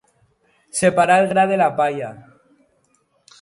Separar el gra de la palla.